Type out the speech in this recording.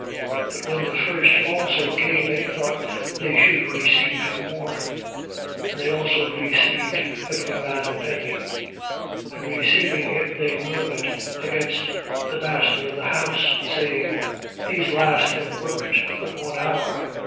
20:10. But when the first also came, they thought that they should receive more: And they also received every man a penny. 20:11. And receiving it they murmured against the master of the house, 20:12. Saying: These last have worked but one hour.